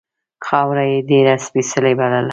خاوره یې ډېره سپېڅلې بلله.